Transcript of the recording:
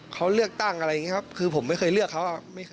เขาเลือกตั้งอะไรอย่างนี้ครับคือผมไม่เคยเลือกเขา